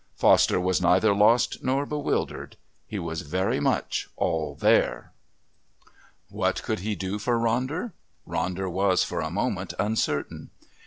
Foster was neither lost nor bewildered. He was very much all there. What could he do for Ronder? Ronder was, for a moment, uncertain.